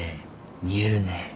見えるね。